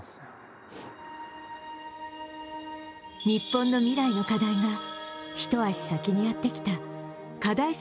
日本の未来の課題が一足先にやってきた、課題